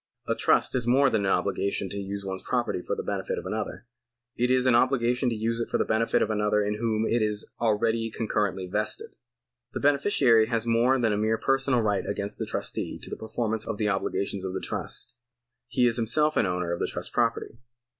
A trust is more than an obhga tion to use one's property for the benefit of another ; it is an obligation to use it for the benefit of another in whom it is already concurrently vested. The beneficiary has more than a mere personal right against his trustee to the performance of the obligations of the trust. He is himself an owner of the trust property.